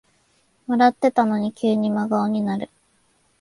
笑ってたのに急に真顔になる